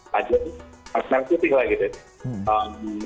tajam merah putih lah gitu ya